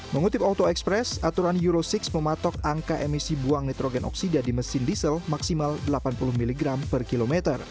mengutip auto express aturan euro enam mematok angka emisi buang nitrogen oksida di mesin diesel maksimal delapan puluh mg per km